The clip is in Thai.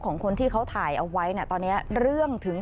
ของคนที่เขาถ่ายเอาไว้เนี่ยตอนนี้เรื่องถึง